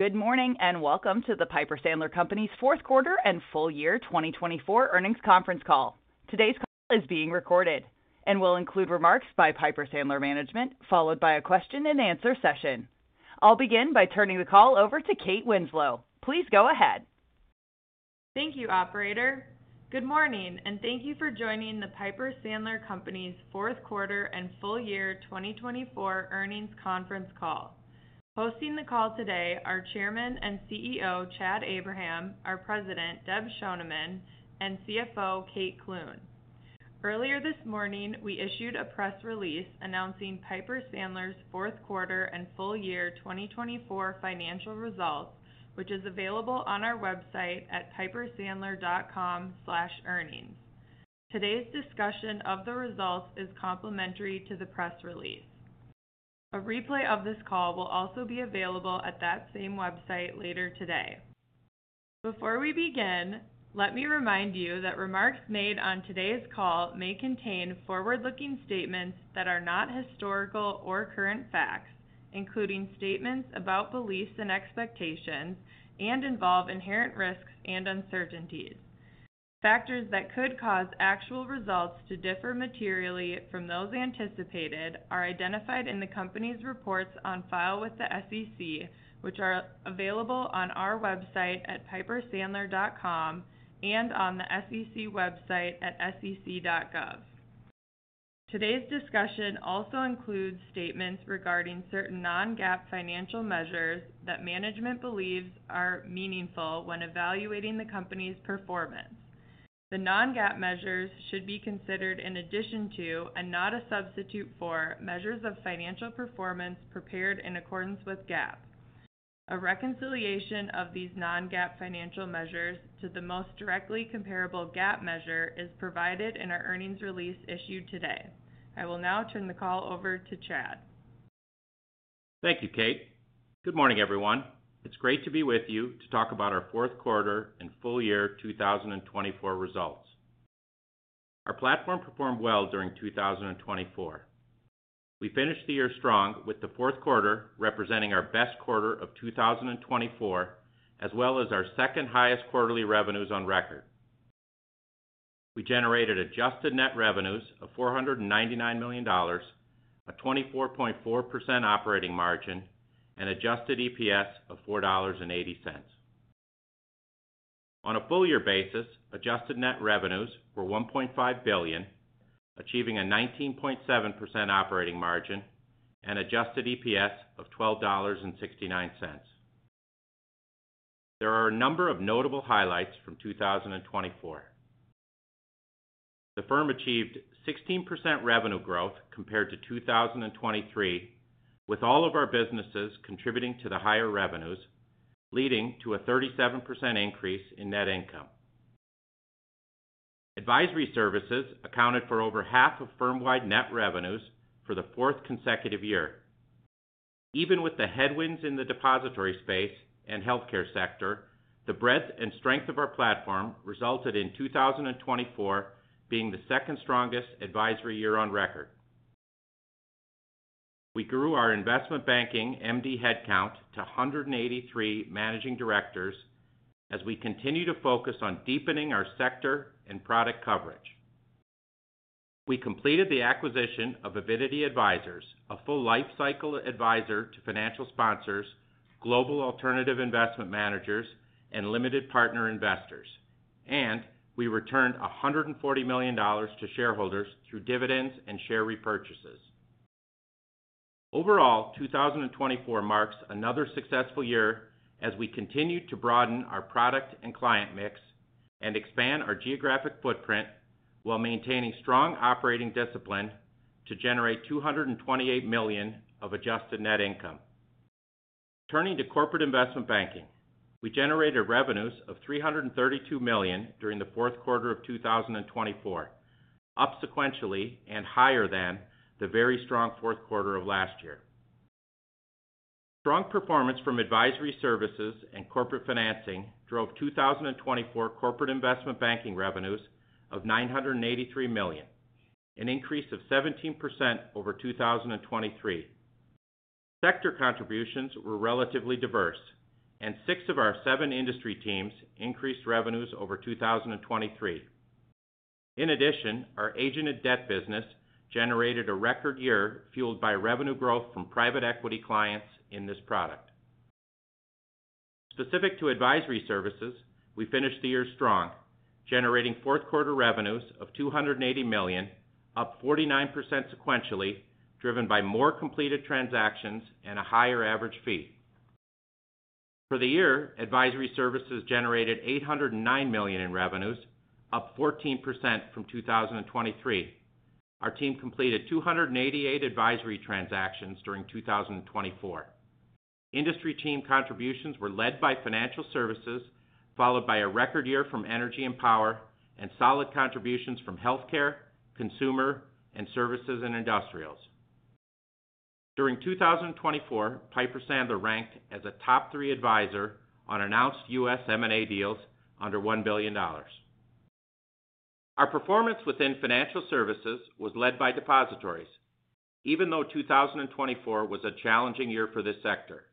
Good morning and welcome to the Piper Sandler Companies' Fourth Quarter and Full Year 2024 Earnings Conference Call. Today's call is being recorded and will include remarks by Piper Sandler management, followed by a question and answer session. I'll begin by turning the call over to Kathy Winslow. Please go ahead. Thank you, Operator. Good morning and thank you for joining the Piper Sandler Companies' Fourth Quarter and Full Year 2024 Earnings conference call. Hosting the call today are Chairman and CEO Chad Abraham, our President Deb Schoneman, and CFO Kate Clune. Earlier this morning, we issued a press release announcing Piper Sandler's fourth quarter and full year 2024 financial results, which is available on our website at pipersandler.com/earnings. Today's discussion of the results is complimentary to the press release. A replay of this call will also be available at that same website later today. Before we begin, let me remind you that remarks made on today's call may contain forward-looking statements that are not historical or current facts, including statements about beliefs and expectations, and involve inherent risks and uncertainties. Factors that could cause actual results to differ materially from those anticipated are identified in the company's reports on file with the SEC, which are available on our website at pipersandler.com and on the SEC website at sec.gov. Today's discussion also includes statements regarding certain non-GAAP financial measures that management believes are meaningful when evaluating the company's performance. The non-GAAP measures should be considered in addition to, and not a substitute for, measures of financial performance prepared in accordance with GAAP. A reconciliation of these non-GAAP financial measures to the most directly comparable GAAP measure is provided in our earnings release issued today. I will now turn the call over to Chad. Thank you, Kate. Good morning, everyone. It's great to be with you to talk about our fourth quarter and full year 2024 results. Our platform performed well during 2024. We finished the year strong, with the fourth quarter representing our best quarter of 2024, as well as our second highest quarterly revenues on record. We generated adjusted net revenues of $499 million, a 24.4% operating margin, and adjusted EPS of $4.80. On a full year basis, adjusted net revenues were $1.5 billion, achieving a 19.7% operating margin, and adjusted EPS of $12.69. There are a number of notable highlights from 2024. The firm achieved 16% revenue growth compared to 2023, with all of our businesses contributing to the higher revenues, leading to a 37% increase in net income. Advisory services accounted for over half of firm-wide net revenues for the fourth consecutive year. Even with the headwinds in the depository space and healthcare sector, the breadth and strength of our platform resulted in 2024 being the second strongest advisory year on record. We grew our investment banking MD headcount to 183 managing directors as we continue to focus on deepening our sector and product coverage. We completed the acquisition of Avidity Advisors, a full lifecycle advisor to financial sponsors, global alternative investment managers, and limited partner investors, and we returned $140 million to shareholders through dividends and share repurchases. Overall, 2024 marks another successful year as we continue to broaden our product and client mix and expand our geographic footprint while maintaining strong operating discipline to generate $228 million of adjusted net income. Turning to corporate investment banking, we generated revenues of $332 million during the fourth quarter of 2024, up sequentially and higher than the very strong fourth quarter of last year. Strong performance from advisory services and corporate financing drove 2024 corporate investment banking revenues of $983 million, an increase of 17% over 2023. Sector contributions were relatively diverse, and six of our seven industry teams increased revenues over 2023. In addition, our agented debt business generated a record year fueled by revenue growth from private equity clients in this product. Specific to advisory services, we finished the year strong, generating fourth quarter revenues of $280 million, up 49% sequentially, driven by more completed transactions and a higher average fee. For the year, advisory services generated $809 million in revenues, up 14% from 2023. Our team completed 288 advisory transactions during 2024. Industry team contributions were led by Financial Services, followed by a record year from energy and power, and solid contributions from healthcare, consumer, and services and industrials. During 2024, Piper Sandler ranked as a top three advisor on announced U.S. M&A deals under $1 billion. Our performance within financial services was led by depositories, even though 2024 was a challenging year for this sector.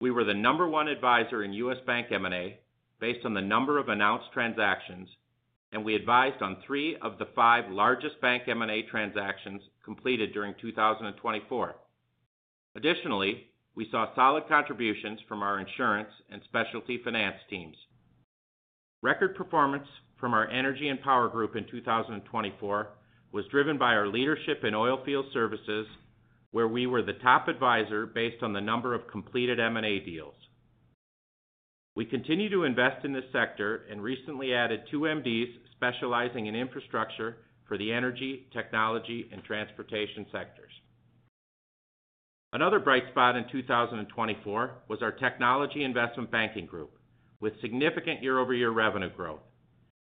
We were the number one advisor in U.S. bank M&A based on the number of announced transactions, and we advised on three of the five largest bank M&A transactions completed during 2024. Additionally, we saw solid contributions from our insurance and specialty finance teams. Record performance from our energy and power group in 2024 was driven by our leadership in oilfield services, where we were the top advisor based on the number of completed M&A deals. We continue to invest in this sector and recently added two MDs specializing in infrastructure for the energy, technology, and transportation sectors. Another bright spot in 2024 was our technology investment banking group, with significant year-over-year revenue growth.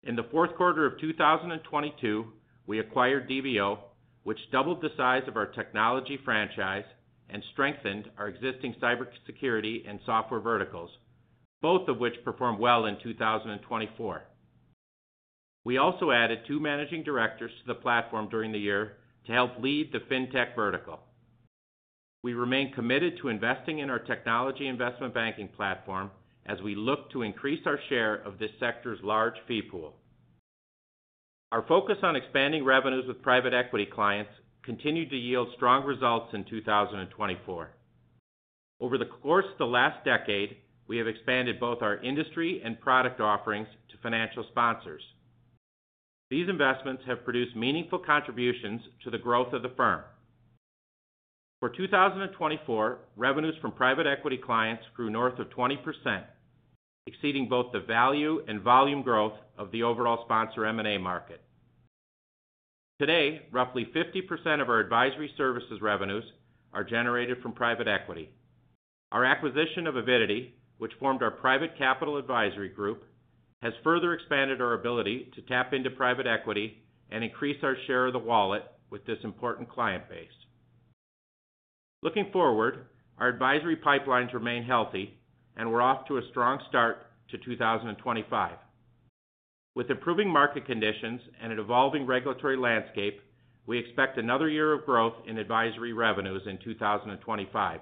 In the fourth quarter of 2022, we acquired DBO, which doubled the size of our technology franchise and strengthened our existing cybersecurity and software verticals, both of which performed well in 2024. We also added two managing directors to the platform during the year to help lead the fintech vertical. We remain committed to investing in our technology investment banking platform as we look to increase our share of this sector's large fee pool. Our focus on expanding revenues with private equity clients continued to yield strong results in 2024. Over the course of the last decade, we have expanded both our industry and product offerings to financial sponsors. These investments have produced meaningful contributions to the growth of the firm. For 2024, revenues from private equity clients grew north of 20%, exceeding both the value and volume growth of the overall sponsor M&A market. Today, roughly 50% of our advisory services revenues are generated from private equity. Our acquisition of Avidity, which formed our Private Capital Advisory Group, has further expanded our ability to tap into private equity and increase our share of the wallet with this important client base. Looking forward, our advisory pipelines remain healthy, and we're off to a strong start to 2025. With improving market conditions and an evolving regulatory landscape, we expect another year of growth in advisory revenues in 2025,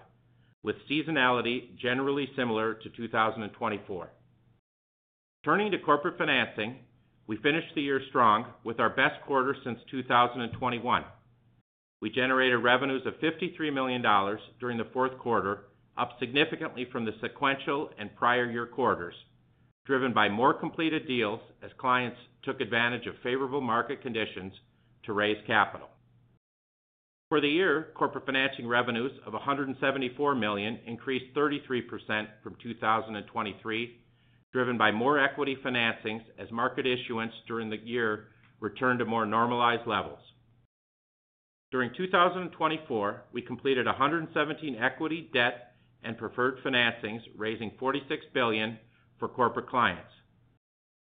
with seasonality generally similar to 2024. Turning to corporate financing, we finished the year strong with our best quarter since 2021. We generated revenues of $53 million during the fourth quarter, up significantly from the sequential and prior year quarters, driven by more completed deals as clients took advantage of favorable market conditions to raise capital. For the year, corporate financing revenues of $174 million increased 33% from 2023, driven by more equity financings as market issuance during the year returned to more normalized levels. During 2024, we completed 117 equity, debt, and preferred financings, raising $46 billion for corporate clients.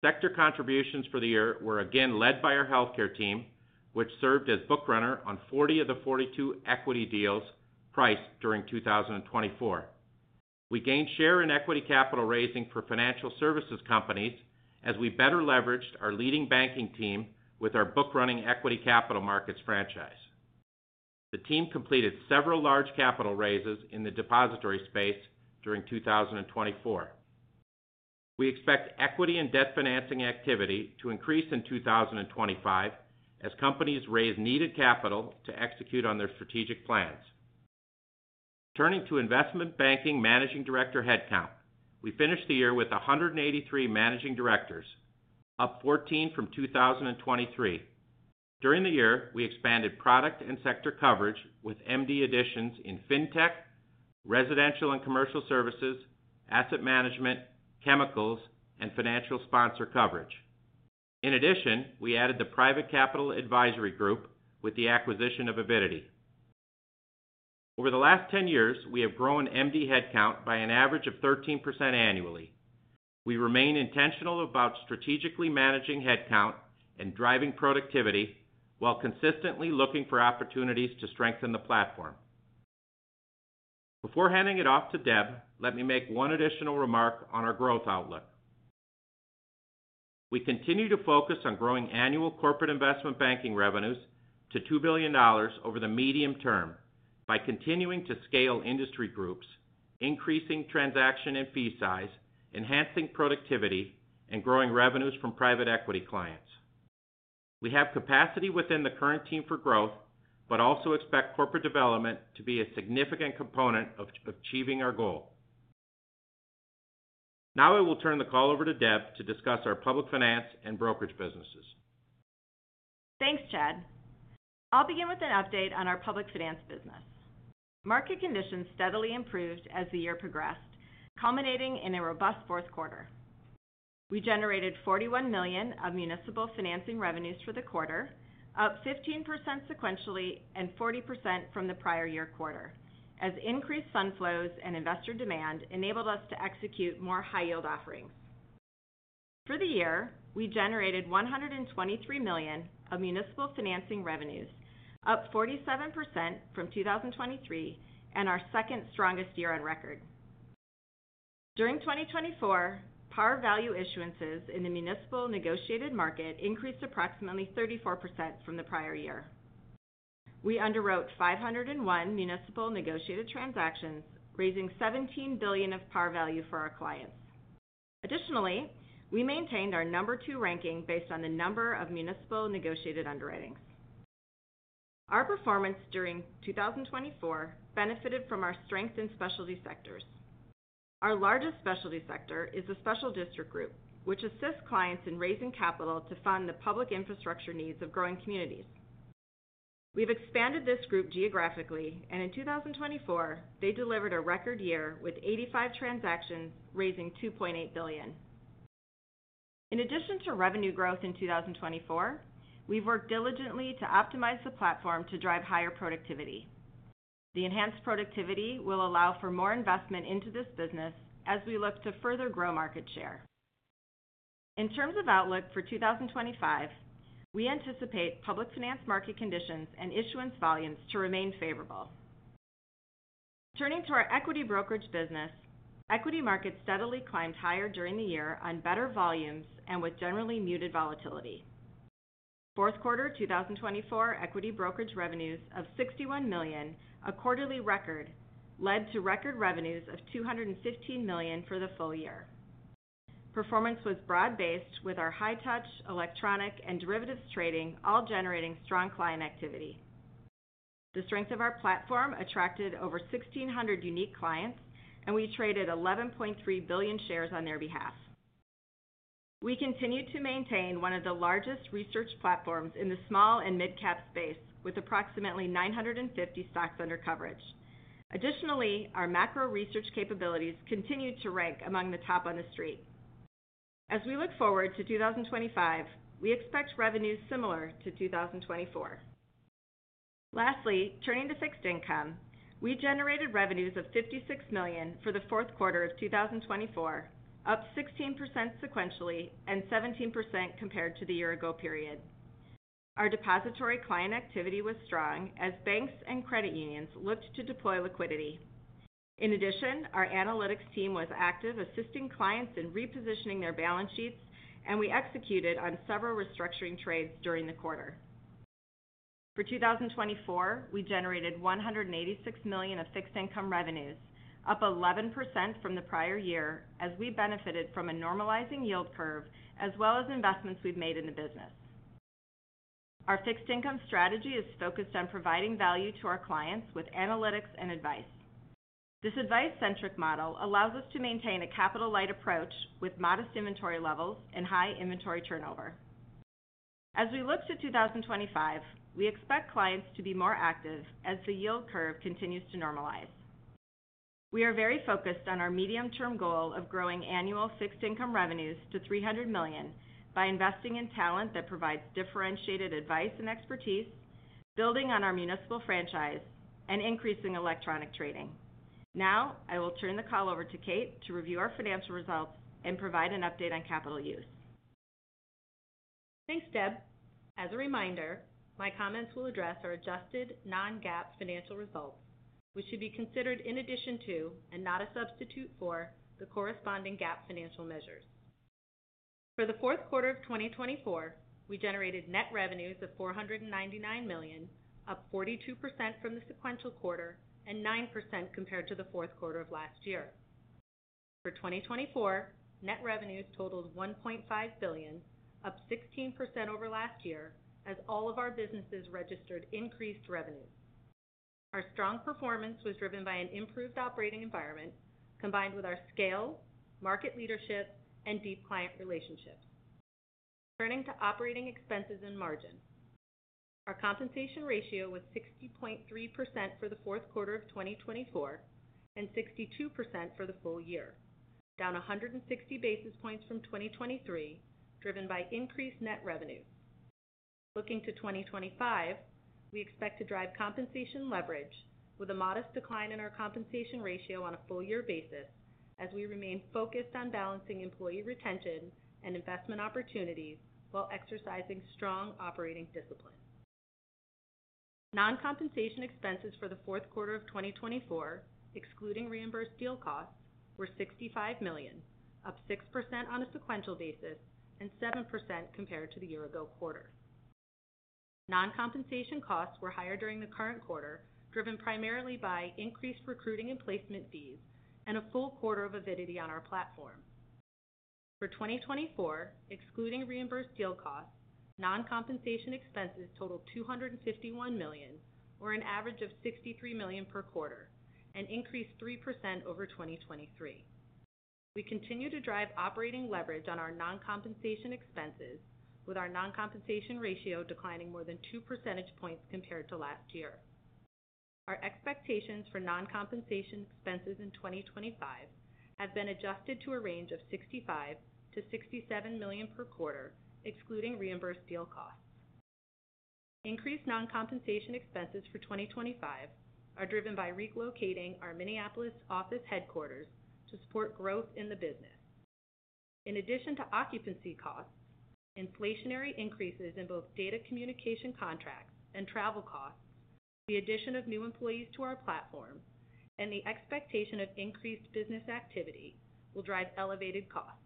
Sector contributions for the year were again led by our healthcare team, which served as bookrunner on 40 of the 42 equity deals priced during 2024. We gained share in equity capital raising for financial services companies as we better leveraged our leading banking team with our bookrunning equity capital markets franchise. The team completed several large capital raises in the depository space during 2024. We expect equity and debt financing activity to increase in 2025 as companies raise needed capital to execute on their strategic plans. Turning to investment banking managing director headcount, we finished the year with 183 managing directors, up 14 from 2023. During the year, we expanded product and sector coverage with MD additions in fintech, residential and commercial services, asset management, chemicals, and financial sponsor coverage. In addition, we added the private capital advisory group with the acquisition of Avidity. Over the last 10 years, we have grown MD headcount by an average of 13% annually. We remain intentional about strategically managing headcount and driving productivity while consistently looking for opportunities to strengthen the platform. Before handing it off to Deb, let me make one additional remark on our growth outlook. We continue to focus on growing annual corporate investment banking revenues to $2 billion over the medium term by continuing to scale industry groups, increasing transaction and fee size, enhancing productivity, and growing revenues from private equity clients. We have capacity within the current team for growth, but also expect corporate development to be a significant component of achieving our goal. Now I will turn the call over to Deb to discuss our public finance and brokerage businesses. Thanks, Chad. I'll begin with an update on our public finance business. Market conditions steadily improved as the year progressed, culminating in a robust fourth quarter. We generated $41 million of municipal financing revenues for the quarter, up 15% sequentially and 40% from the prior year quarter, as increased fund flows and investor demand enabled us to execute more high-yield offerings. For the year, we generated $123 million of municipal financing revenues, up 47% from 2023 and our second strongest year on record. During 2024, par value issuances in the municipal negotiated market increased approximately 34% from the prior year. We underwrote 501 municipal negotiated transactions, raising $17 billion of par value for our clients. Additionally, we maintained our number two ranking based on the number of municipal negotiated underwritings. Our performance during 2024 benefited from our strength in specialty sectors. Our largest specialty sector is the special district group, which assists clients in raising capital to fund the public infrastructure needs of growing communities. We've expanded this group geographically, and in 2024, they delivered a record year with 85 transactions, raising $2.8 billion. In addition to revenue growth in 2024, we've worked diligently to optimize the platform to drive higher productivity. The enhanced productivity will allow for more investment into this business as we look to further grow market share. In terms of outlook for 2025, we anticipate public finance market conditions and issuance volumes to remain favorable. Turning to our equity brokerage business, equity markets steadily climbed higher during the year on better volumes and with generally muted volatility. Fourth quarter 2024 equity brokerage revenues of $61 million, a quarterly record, led to record revenues of $215 million for the full year. Performance was broad-based with our high-touch, electronic, and derivatives trading, all generating strong client activity. The strength of our platform attracted over 1,600 unique clients, and we traded 11.3 billion shares on their behalf. We continue to maintain one of the largest research platforms in the small and mid-cap space with approximately 950 stocks under coverage. Additionally, our macro research capabilities continue to rank among the top on the street. As we look forward to 2025, we expect revenues similar to 2024. Lastly, turning to fixed income, we generated revenues of $56 million for the fourth quarter of 2024, up 16% sequentially and 17% compared to the year-ago period. Our depository client activity was strong as banks and credit unions looked to deploy liquidity. In addition, our analytics team was active assisting clients in repositioning their balance sheets, and we executed on several restructuring trades during the quarter. For 2024, we generated $186 million of fixed income revenues, up 11% from the prior year as we benefited from a normalizing yield curve as well as investments we've made in the business. Our fixed income strategy is focused on providing value to our clients with analytics and advice. This advice-centric model allows us to maintain a capital-light approach with modest inventory levels and high inventory turnover. As we look to 2025, we expect clients to be more active as the yield curve continues to normalize. We are very focused on our medium-term goal of growing annual fixed income revenues to $300 million by investing in talent that provides differentiated advice and expertise, building on our municipal franchise, and increasing electronic trading. Now I will turn the call over to Kate to review our financial results and provide an update on capital use. Thanks, Deb. As a reminder, my comments will address our adjusted non-GAAP financial results, which should be considered in addition to and not a substitute for the corresponding GAAP financial measures. For the fourth quarter of 2024, we generated net revenues of $499 million, up 42% from the sequential quarter and 9% compared to the fourth quarter of last year. For 2024, net revenues totaled $1.5 billion, up 16% over last year as all of our businesses registered increased revenues. Our strong performance was driven by an improved operating environment combined with our scale, market leadership, and deep client relationships. Turning to operating expenses and margin, our compensation ratio was 60.3% for the fourth quarter of 2024 and 62% for the full year, down 160 basis points from 2023, driven by increased net revenues. Looking to 2025, we expect to drive compensation leverage with a modest decline in our compensation ratio on a full-year basis as we remain focused on balancing employee retention and investment opportunities while exercising strong operating discipline. Non-compensation expenses for the fourth quarter of 2024, excluding reimbursed deal costs, were $65 million, up 6% on a sequential basis and 7% compared to the year-ago quarter. Non-compensation costs were higher during the current quarter, driven primarily by increased recruiting and placement fees and a full quarter of Avidity on our platform. For 2024, excluding reimbursed deal costs, non-compensation expenses totaled $251 million, or an average of $63 million per quarter, and increased 3% over 2023. We continue to drive operating leverage on our non-compensation expenses, with our non-compensation ratio declining more than 2 percentage points compared to last year. Our expectations for non-compensation expenses in 2025 have been adjusted to a range of $65-$67 million per quarter, excluding reimbursed deal costs. Increased non-compensation expenses for 2025 are driven by relocating our Minneapolis office headquarters to support growth in the business. In addition to occupancy costs, inflationary increases in both data communication contracts and travel costs, the addition of new employees to our platform, and the expectation of increased business activity will drive elevated costs.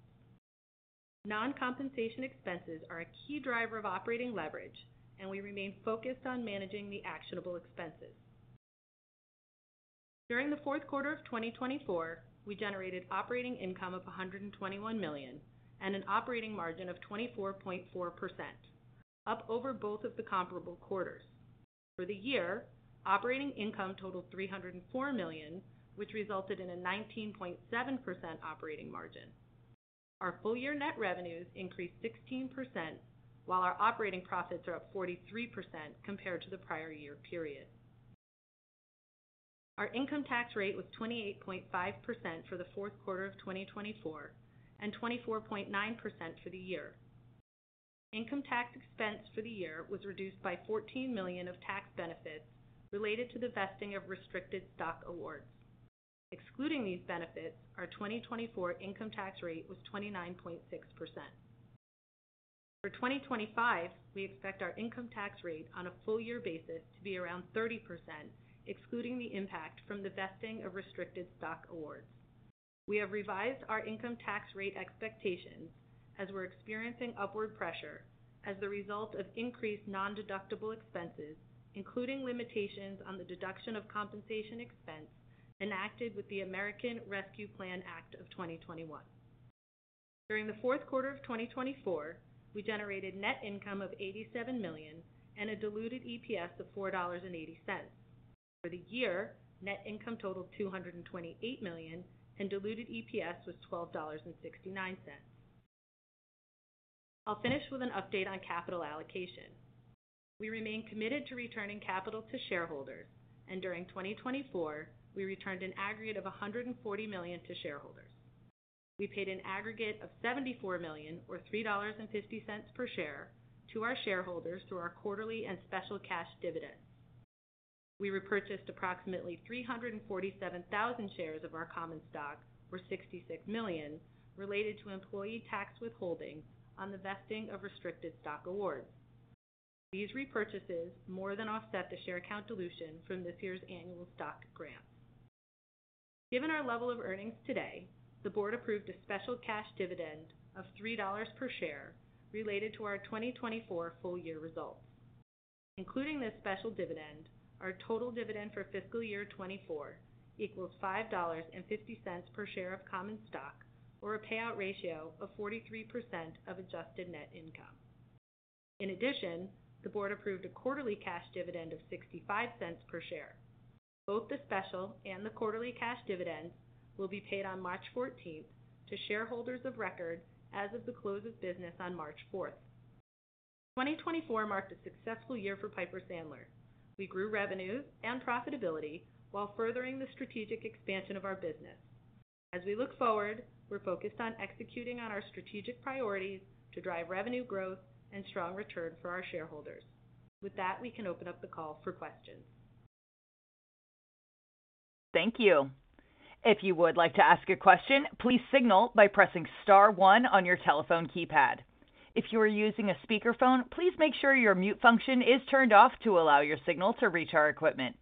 Non-compensation expenses are a key driver of operating leverage, and we remain focused on managing the actionable expenses. During the fourth quarter of 2024, we generated operating income of $121 million and an operating margin of 24.4%, up over both of the comparable quarters. For the year, operating income totaled $304 million, which resulted in a 19.7% operating margin. Our full-year net revenues increased 16%, while our operating profits are up 43% compared to the prior year period. Our income tax rate was 28.5% for the fourth quarter of 2024 and 24.9% for the year. Income tax expense for the year was reduced by $14 million of tax benefits related to the vesting of restricted stock awards. Excluding these benefits, our 2024 income tax rate was 29.6%. For 2025, we expect our income tax rate on a full-year basis to be around 30%, excluding the impact from the vesting of restricted stock awards. We have revised our income tax rate expectations as we're experiencing upward pressure as the result of increased non-deductible expenses, including limitations on the deduction of compensation expense enacted with the American Rescue Plan Act of 2021. During the fourth quarter of 2024, we generated net income of $87 million and a diluted EPS of $4.80. For the year, net income totaled $228 million, and diluted EPS was $12.69. I'll finish with an update on capital allocation. We remain committed to returning capital to shareholders, and during 2024, we returned an aggregate of $140 million to shareholders. We paid an aggregate of $74 million, or $3.50 per share, to our shareholders through our quarterly and special cash dividends. We repurchased approximately 347,000 shares of our common stock, or $66 million, related to employee tax withholding on the vesting of restricted stock awards. These repurchases more than offset the share account dilution from this year's annual stock grants. Given our level of earnings today, the board approved a special cash dividend of $3 per share related to our 2024 full-year results. Including this special dividend, our total dividend for fiscal year 2024 equals $5.50 per share of common stock, or a payout ratio of 43% of adjusted net income. In addition, the board approved a quarterly cash dividend of $0.65 per share. Both the special and the quarterly cash dividends will be paid on March 14th to shareholders of record as of the close of business on March 4th. 2024 marked a successful year for Piper Sandler. We grew revenues and profitability while furthering the strategic expansion of our business. As we look forward, we're focused on executing on our strategic priorities to drive revenue growth and strong return for our shareholders. With that, we can open up the call for questions. Thank you. If you would like to ask a question, please signal by pressing star one on your telephone keypad. If you are using a speakerphone, please make sure your mute function is turned off to allow your signal to reach our equipment.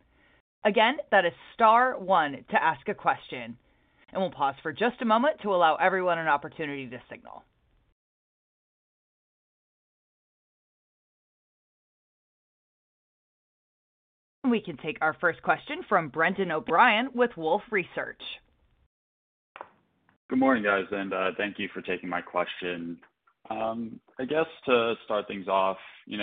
Again, that is star one to ask a question, and we'll pause for just a moment to allow everyone an opportunity to signal. We can take our first question from Brendan O'Brien with Wolfe Research. Good morning, guys, and thank you for taking my question. I guess to start things off, you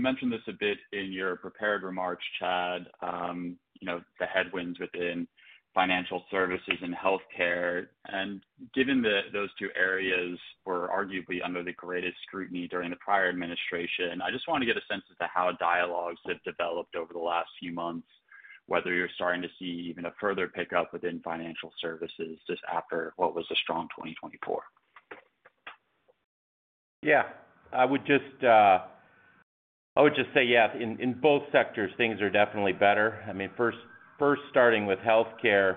mentioned this a bit in your prepared remarks, Chad, the headwinds within financial services and healthcare. And given that those two areas were arguably under the greatest scrutiny during the prior administration, I just wanted to get a sense as to how dialogues have developed over the last few months, whether you're starting to see even a further pickup within financial services just after what was a strong 2024. Yeah, I would just say, yeah, in both sectors, things are definitely better. I mean, first starting with healthcare,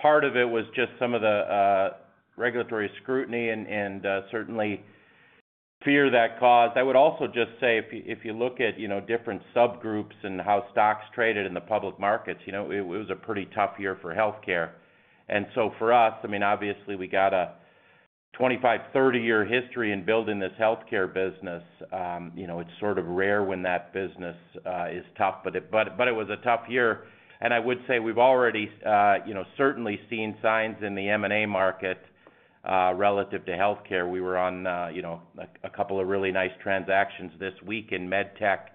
part of it was just some of the regulatory scrutiny and certainly fear that caused. I would also just say, if you look at different subgroups and how stocks traded in the public markets, it was a pretty tough year for healthcare. And so for us, I mean, obviously, we got a 25-30-year history in building this healthcare business. It's sort of rare when that business is tough, but it was a tough year. And I would say we've already certainly seen signs in the M&A market relative to healthcare. We were on a couple of really nice transactions this week in med tech.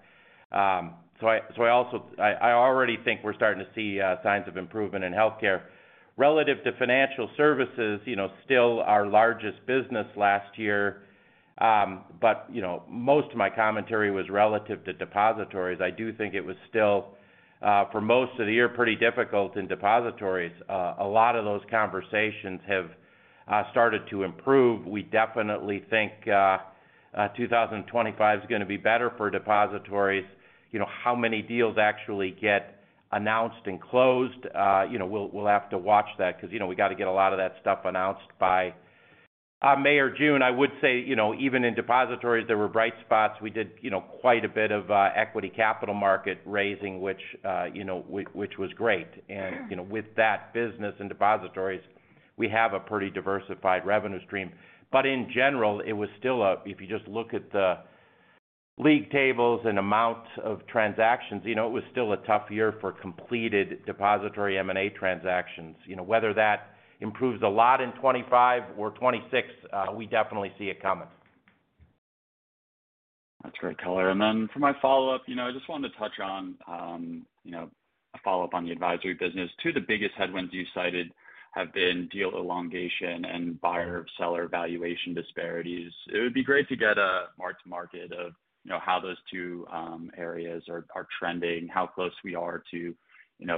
So I already think we're starting to see signs of improvement in healthcare. Relative to financial services, still our largest business last year, but most of my commentary was relative to depositories. I do think it was still, for most of the year, pretty difficult in depositories. A lot of those conversations have started to improve. We definitely think 2025 is going to be better for depositories. How many deals actually get announced and closed, we'll have to watch that because we got to get a lot of that stuff announced by May or June. I would say even in depositories, there were bright spots. We did quite a bit of equity capital market raising, which was great. And with that business in depositories, we have a pretty diversified revenue stream. But in general, it was still a, if you just look at the league tables and amount of transactions, it was still a tough year for completed depository M&A transactions. Whether that improves a lot in 2025 or 2026, we definitely see it coming. That's great color, [I'm in.] And then for my follow-up, I just wanted to touch on a follow-up on the advisory business. Two of the biggest headwinds you cited have been deal elongation and buyer-seller valuation disparities. It would be great to get a mark-to-market of how those two areas are trending, how close we are to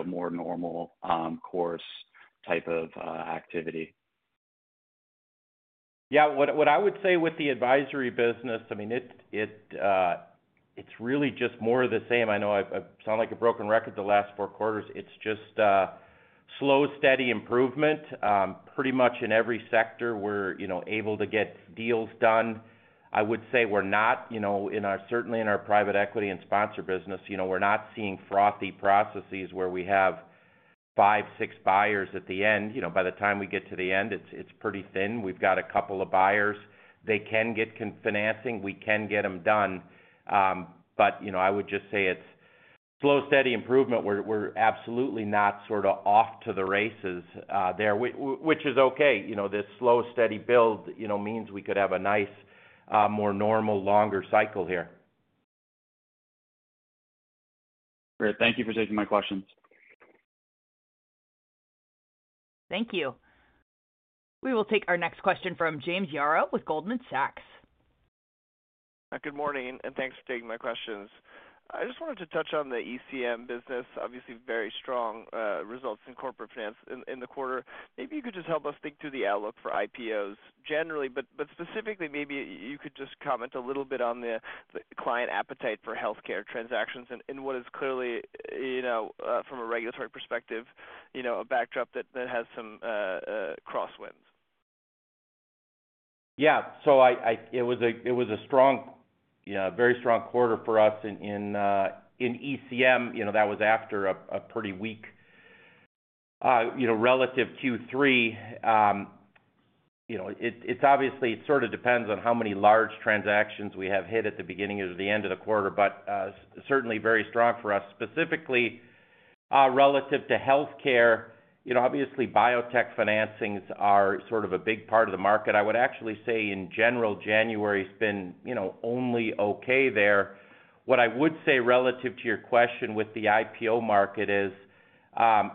more normal course type of activity. Yeah, what I would say with the advisory business, I mean, it's really just more of the same. I know I sound like a broken record the last four quarters. It's just slow, steady improvement. Pretty much in every sector, we're able to get deals done. I would say we're not, certainly in our private equity and sponsor business, we're not seeing frothy processes where we have five, six buyers at the end. By the time we get to the end, it's pretty thin. We've got a couple of buyers. They can get financing. We can get them done. But I would just say it's slow, steady improvement. We're absolutely not sort of off to the races there, which is okay. This slow, steady build means we could have a nice, more normal, longer cycle here. Great. Thank you for taking my questions. Thank you. We will take our next question from James Yaro with Goldman Sachs. Good morning, and thanks for taking my questions. I just wanted to touch on the ECM business. Obviously, very strong results in corporate finance in the quarter. Maybe you could just help us think through the outlook for IPOs generally, but specifically, maybe you could just comment a little bit on the client appetite for healthcare transactions and what is clearly, from a regulatory perspective, a backdrop that has some crosswinds. Yeah. So it was a very strong quarter for us. In ECM, that was after a pretty weak relative Q3. It obviously sort of depends on how many large transactions we have hit at the beginning or the end of the quarter, but certainly very strong for us. Specifically, relative to healthcare, obviously, biotech financings are sort of a big part of the market. I would actually say, in general, January has been only okay there. What I would say relative to your question with the IPO market is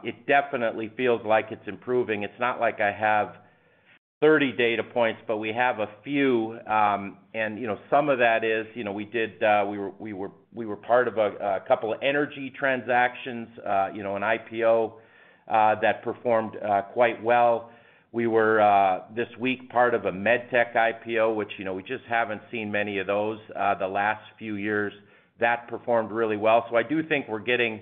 it definitely feels like it's improving. It's not like I have 30 data points, but we have a few. And some of that is we were part of a couple of energy transactions, an IPO that performed quite well. We were, this week, part of a med tech IPO, which we just haven't seen many of those the last few years. That performed really well. So I do think we're getting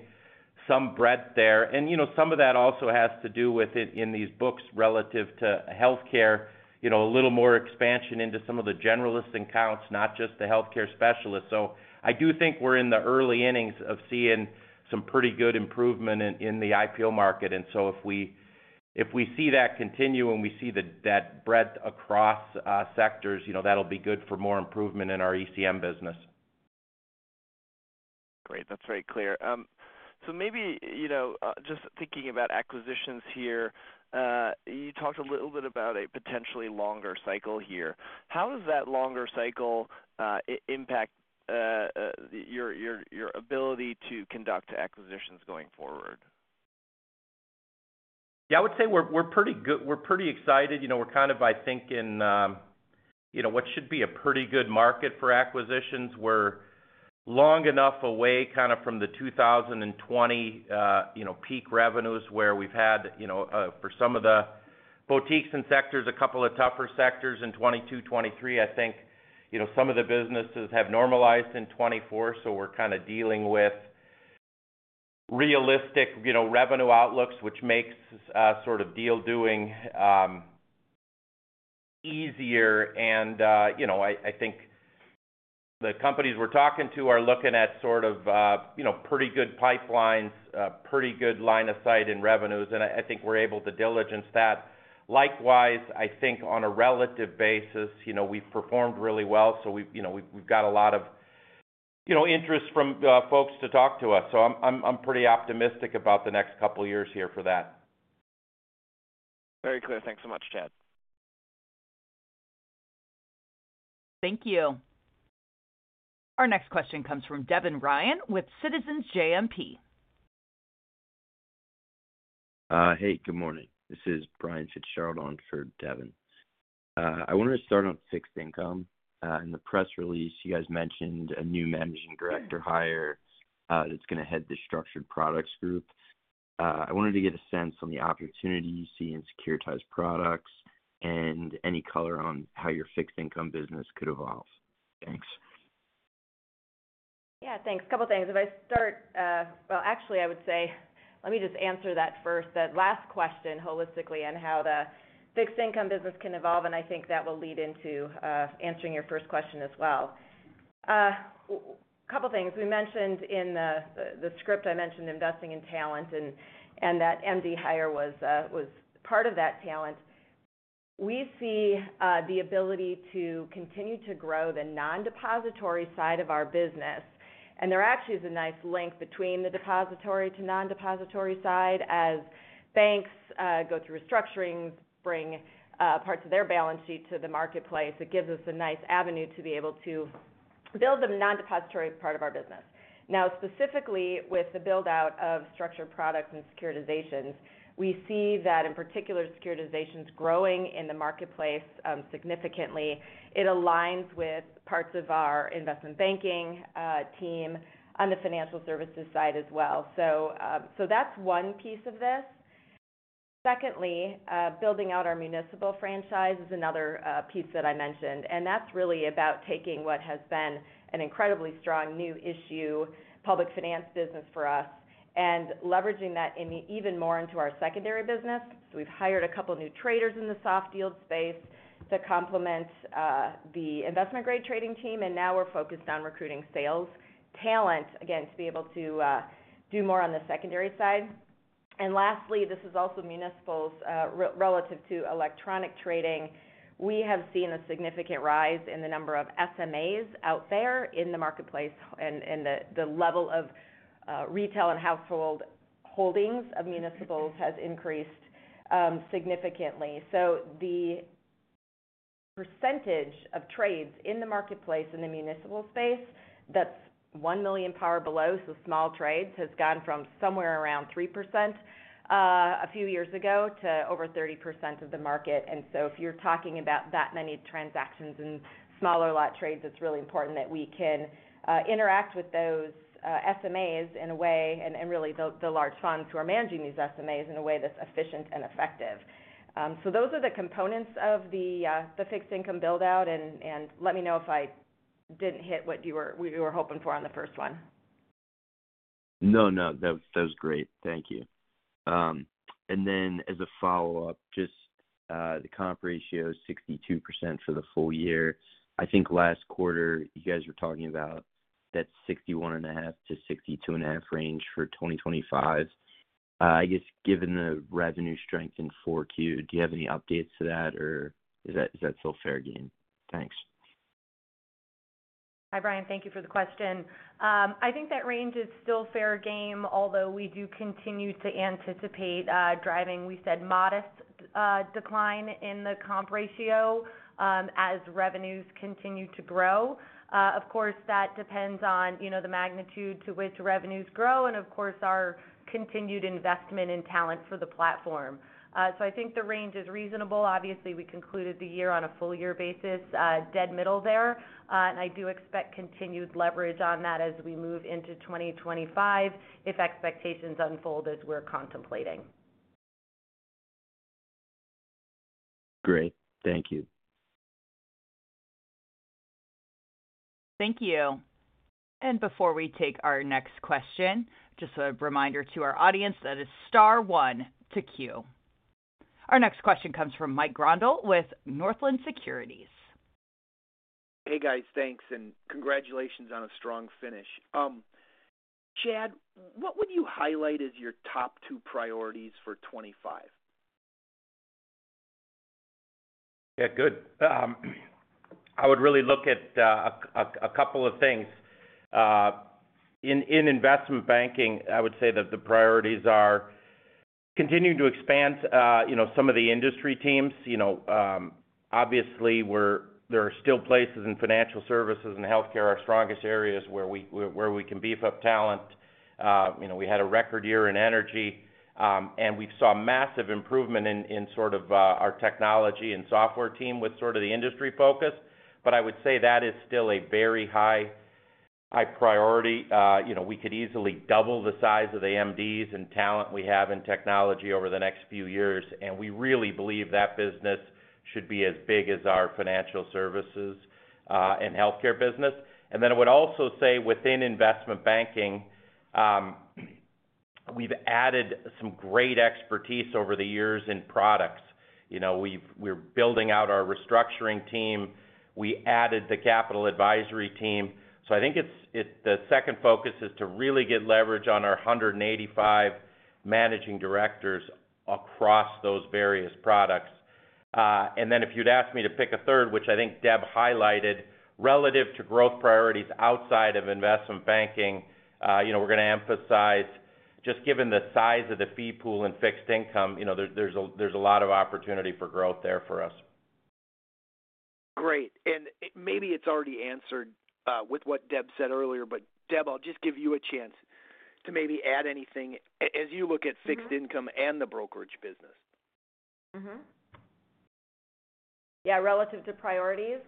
some breadth there. And some of that also has to do with it in these books relative to healthcare, a little more expansion into some of the generalist accounts, not just the healthcare specialists. So I do think we're in the early innings of seeing some pretty good improvement in the IPO market. And so if we see that continue and we see that breadth across sectors, that'll be good for more improvement in our ECM business. Great. That's very clear. So maybe just thinking about acquisitions here, you talked a little bit about a potentially longer cycle here. How does that longer cycle impact your ability to conduct acquisitions going forward? Yeah, I would say we're pretty excited. We're kind of, I think, in what should be a pretty good market for acquisitions. We're long enough away kind of from the 2020 peak revenues where we've had, for some of the boutiques and sectors, a couple of tougher sectors in 2022, 2023. I think some of the businesses have normalized in 2024. So we're kind of dealing with realistic revenue outlooks, which makes sort of deal doing easier. And I think the companies we're talking to are looking at sort of pretty good pipelines, pretty good line of sight in revenues. And I think we're able to diligence that. Likewise, I think on a relative basis, we've performed really well. So we've got a lot of interest from folks to talk to us. So I'm pretty optimistic about the next couple of years here for that. Very clear. Thanks so much, Chad. Thank you. Our next question comes from Devin Ryan with Citizens JMP. Hey, good morning. This is Brian Fitzgerald on for Devin. I wanted to start on fixed income. In the press release, you guys mentioned a new managing director hire that's going to head the structured products group. I wanted to get a sense on the opportunity you see in securitized products and any color on how your fixed income business could evolve. Thanks. Yeah, thanks. Couple of things. If I start, well, actually, I would say, let me just answer that first, that last question holistically on how the fixed income business can evolve. And I think that will lead into answering your first question as well. A couple of things. We mentioned in the script, I mentioned investing in talent and that MD hire was part of that talent. We see the ability to continue to grow the non-depository side of our business. And there actually is a nice link between the depository to non-depository side. As banks go through restructurings, bring parts of their balance sheet to the marketplace, it gives us a nice avenue to be able to build the non-depository part of our business. Now, specifically with the build-out of structured products and securitizations, we see that, in particular, securitizations growing in the marketplace significantly. It aligns with parts of our investment banking team on the financial services side as well. So that's one piece of this. Secondly, building out our municipal franchise is another piece that I mentioned. And that's really about taking what has been an incredibly strong new issue, public finance business for us, and leveraging that even more into our secondary business. So we've hired a couple of new traders in the soft deal space to complement the investment-grade trading team. And now we're focused on recruiting sales talent, again, to be able to do more on the secondary side. And lastly, this is also municipals relative to electronic trading. We have seen a significant rise in the number of SMAs out there in the marketplace. And the level of retail and household holdings of municipals has increased significantly. So the percentage of trades in the marketplace in the municipal space that's one million or below, so small trades, has gone from somewhere around 3% a few years ago to over 30% of the market. And so if you're talking about that many transactions and smaller lot trades, it's really important that we can interact with those SMAs in a way, and really the large funds who are managing these SMAs in a way that's efficient and effective. So those are the components of the fixed income build-out. And let me know if I didn't hit what we were hoping for on the first one. No, no. That was great. Thank you. And then as a follow-up, just the comp ratio is 62% for the full year. I think last quarter, you guys were talking about that 61.5%-62.5% range for 2025. I guess given the revenue strength in 4Q, do you have any updates to that, or is that still fair game? Thanks. Hi, Brian. Thank you for the question. I think that range is still fair game, although we do continue to anticipate driving, we said, modest decline in the comp ratio as revenues continue to grow. Of course, that depends on the magnitude to which revenues grow and, of course, our continued investment in talent for the platform. So I think the range is reasonable. Obviously, we concluded the year on a full-year basis, dead middle there. And I do expect continued leverage on that as we move into 2025 if expectations unfold as we're contemplating. Great. Thank you. Thank you. And before we take our next question, just a reminder to our audience that it is star one to queue. Our next question comes from Mike Grondahl with Northland Securities. Hey, guys. Thanks and congratulations on a strong finish. Chad, what would you highlight as your top two priorities for 2025? Yeah, good. I would really look at a couple of things. In investment banking, I would say that the priorities are continuing to expand some of the industry teams. Obviously, there are still places in financial services and healthcare, our strongest areas, where we can beef up talent. We had a record year in energy, and we saw massive improvement in sort of our technology and software team with sort of the industry focus. But I would say that is still a very high priority. We could easily double the size of the MDs and talent we have in technology over the next few years. And we really believe that business should be as big as our financial services and healthcare business. And then I would also say within investment banking, we've added some great expertise over the years in products. We're building out our restructuring team. We added the capital advisory team. So I think the second focus is to really get leverage on our 185 managing directors across those various products. And then if you'd ask me to pick a third, which I think Deb highlighted, relative to growth priorities outside of investment banking, we're going to emphasize, just given the size of the fee pool and fixed income, there's a lot of opportunity for growth there for us. Great, and maybe it's already answered with what Deb said earlier, but Deb, I'll just give you a chance to maybe add anything as you look at fixed income and the brokerage business. Yeah, relative to priorities,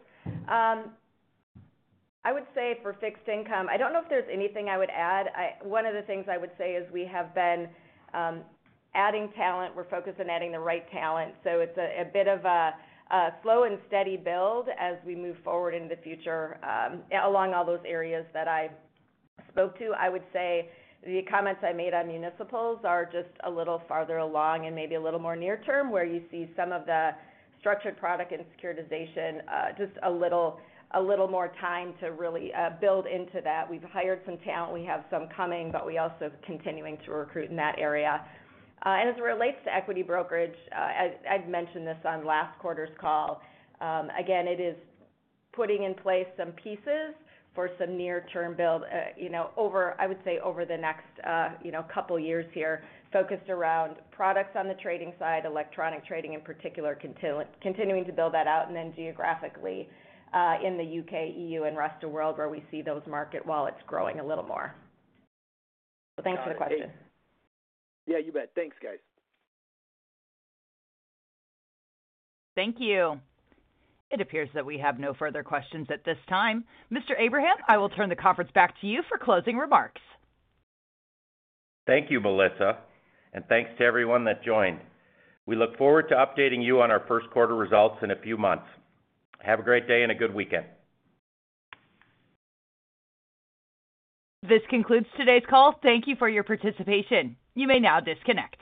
I would say for fixed income, I don't know if there's anything I would add. One of the things I would say is we have been adding talent. We're focused on adding the right talent. So it's a bit of a slow and steady build as we move forward into the future along all those areas that I spoke to. I would say the comments I made on municipals are just a little farther along and maybe a little more near-term where you see some of the structured product and securitization, just a little more time to really build into that. We've hired some talent. We have some coming, but we also are continuing to recruit in that area. And as it relates to equity brokerage, I'd mentioned this on last quarter's call. Again, it is putting in place some pieces for some near-term build, I would say, over the next couple of years here, focused around products on the trading side, electronic trading in particular, continuing to build that out, and then geographically in the U.K., E.U., and rest of the world where we see those market wallets growing a little more. So thanks for the question. Yeah, you bet. Thanks, guys. Thank you. It appears that we have no further questions at this time. Mr. Abraham, I will turn the conference back to you for closing remarks. Thank you, Melissa. And thanks to everyone that joined. We look forward to updating you on our first quarter results in a few months. Have a great day and a good weekend. This concludes today's call. Thank you for your participation. You may now disconnect.